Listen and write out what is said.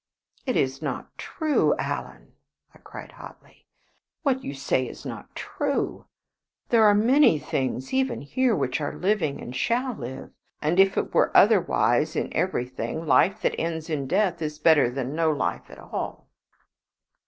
"It is not true, Alan!" I cried, hotly. "What you say is not true. There are many things even here which are living and shall live; and if it were otherwise, in everything, life that ends in death is better than no life at all."